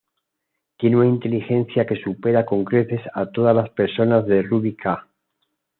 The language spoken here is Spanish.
Tienen una inteligencia que supera con creces a todas las personas de Rubi-Ka.